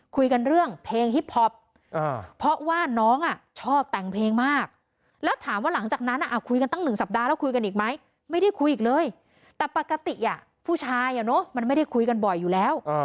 ผู้ชายอะเนอะมันไม่ได้คุยกันบ่อยอยู่แล้ว